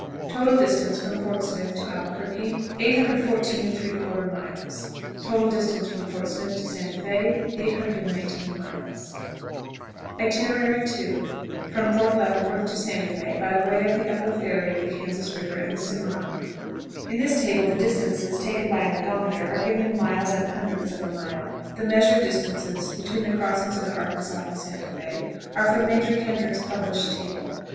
Total distance from Fort Smith to Albuquerque, 814 3/4 miles. Total distance from Fort Smith to Santa Fé, 819 miles. II. From Fort Leavenworth to Santa Fé, by the way of the upper ferry of the Kansas River and the Cimarron. [In this table the distances, taken by an odometer, are given in miles and hundredths of a mile. The measured distances between the crossing of the Arkansas and Santa Fé are from Major Kendrick's published table.